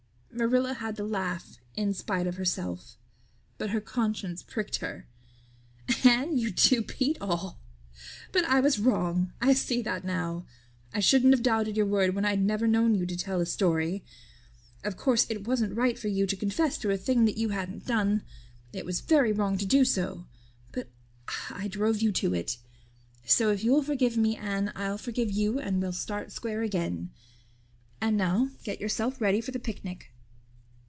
Marilla had to laugh in spite of herself. But her conscience pricked her. "Anne, you do beat all! But I was wrong I see that now. I shouldn't have doubted your word when I'd never known you to tell a story. Of course, it wasn't right for you to confess to a thing you hadn't done it was very wrong to do so. But I drove you to it. So if you'll forgive me, Anne, I'll forgive you and we'll start square again. And now get yourself ready for the picnic."